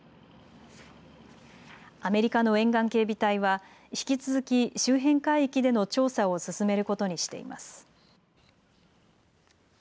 アメリカの沿岸警備隊は引き続き周辺海域での調査を進めることにしています。